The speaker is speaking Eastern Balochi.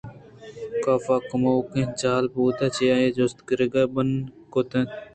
کاف کموکیں جہل بوت ءُچہ آئی ءَ جست گرگ بنا کُت اَنت